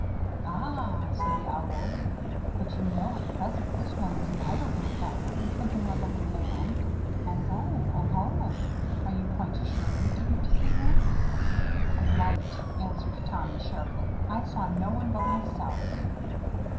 "Ah!" said the Owl, "but you know at present this one is an idle little fellow, something like a little man. Oohoo! oohoo! Are you quite sure you didn't see him?" "Quite," answered Tommy sharply. "I saw no one but myself."